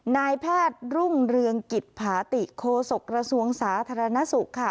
นายแพทย์รุ่งเรืองกิจผาติโคศกระทรวงสาธารณสุขค่ะ